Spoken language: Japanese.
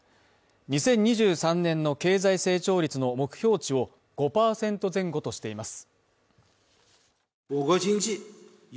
２０２３年の経済成長率の目標値を５％前後としています。